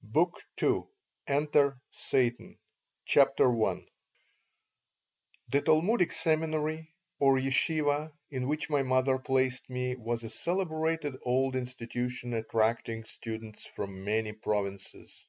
BOOK II ENTER SATAN CHAPTER I THE Talmudic seminary, or yeshivah, in which my mother placed me was a celebrated old institution, attracting students from many provinces.